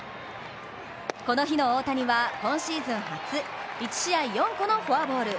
この日の大谷は、今シーズン初１試合４個のフォアボール。